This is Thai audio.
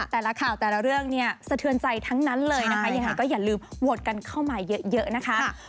แต่ละข่าวแต่ละเรื่องเนี่ยสะเทือนใจทั้งนั้นเลยนะคะยังไงก็อย่าลืมโหวตกันเข้ามาเยอะนะคะ